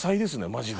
マジで。